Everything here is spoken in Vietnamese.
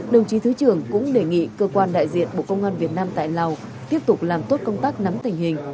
đồng chí thứ trưởng cũng đề nghị cơ quan đại diện bộ công an việt nam tại lào tiếp tục làm tốt công tác nắm tình hình